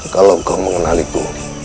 kalau kau mengenaliku